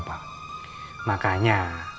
tak ada apa apa